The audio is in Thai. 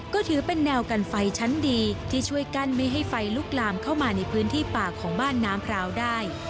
ก็ถือเป็นแนวกันไฟชั้นดีที่ช่วยกั้นไม่ให้ไฟลุกลามเข้ามาในพื้นที่ป่าของบ้านน้ำพราวได้